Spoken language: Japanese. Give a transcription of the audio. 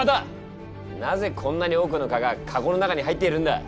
なぜこんなに多くの蚊がカゴの中に入っているんだ。